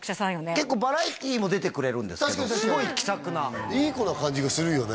結構バラエティーにも出てくれるんですけどすごい気さくないい子な感じがするよね